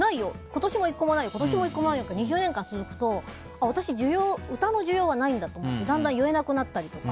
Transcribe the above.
今年も１個もないよって２０年間続くと私、歌の需要がないんだと思ってだんだん言えなくなったり。